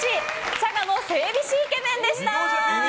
佐賀の整備士イケメンでした。